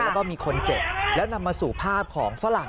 แล้วก็มีคนเจ็บแล้วนำมาสู่ภาพของฝรั่ง